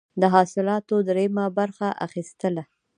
د حاصلاتو دریمه برخه اخیستله.